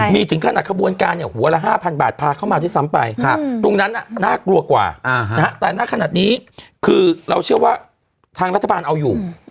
มีถึงขนาดขบวนการเนี่ยหัวละ๕๐๐บาทพาเข้ามาด้วยซ้ำไปตรงนั้นน่ากลัวกว่าแต่ณขนาดนี้คือเราเชื่อว่าทางรัฐบาลเอาอยู่